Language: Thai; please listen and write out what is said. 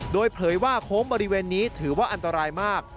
โดยเผยว่าโค้งบริเวณนี้ถือว่าอันตรายมาก